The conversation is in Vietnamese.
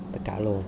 tất cả luôn